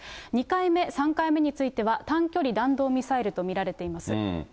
２回目、３回目については、短距離弾道ミサイルと見られています。